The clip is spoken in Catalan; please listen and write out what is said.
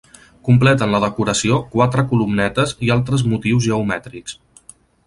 Completen la decoració quatre columnetes i altres motius geomètrics.